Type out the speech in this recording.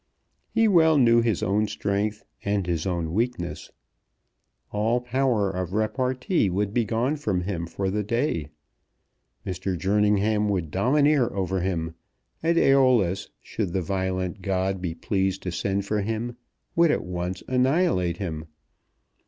He well knew his own strength and his own weakness. All power of repartee would be gone from him for the day. Mr. Jerningham would domineer over him, and Æolus, should the violent god be pleased to send for him, would at once annihilate him.